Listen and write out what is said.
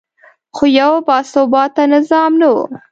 خو یو باثباته نظام نه و